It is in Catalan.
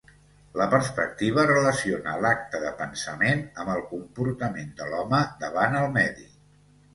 La perspectiva relaciona l’acte de pensament amb el comportament de l’home davant el medi.